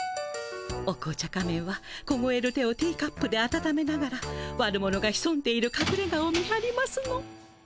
お紅茶仮面はこごえる手をティーカップで温めながら悪者がひそんでいるかくれがを見はりますの。